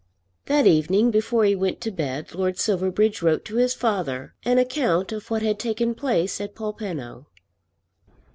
That evening before he went to bed Lord Silverbridge wrote to his father an account of what had taken place at Polpenno.